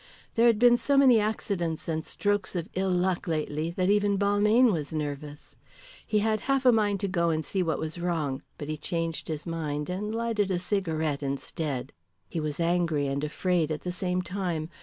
There had been so many accidents and strokes of ill luck lately that even Balmayne was nervous. He had half a mind to go and see what was wrong, but he changed his mind and lighted a cigarette instead. He was angry and afraid at the same time.